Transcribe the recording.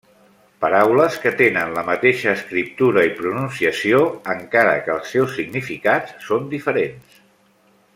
Paraules que tenen la mateixa escriptura i pronunciació, encara que els seus significats són diferents.